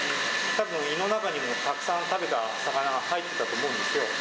たぶん胃の中にもたくさん食べた魚が入ってたと思うんですよ。